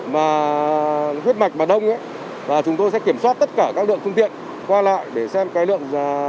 mà huyết mạch mà đông ấy là chúng tôi sẽ kiểm soát tất cả các lượng phương tiện qua lại để xem cái lượng